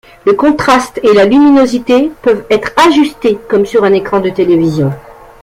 Le contraste et la luminosité peuvent être ajustés comme sur un écran de télévision.